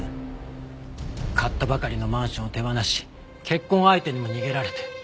買ったばかりのマンションを手放し結婚相手にも逃げられて。